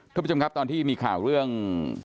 ทุกผู้ชมครับตอนที่มีข่าวเรื่อง